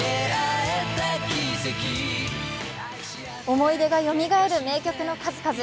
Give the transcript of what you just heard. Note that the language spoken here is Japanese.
思い出がよみがえる名曲の数々。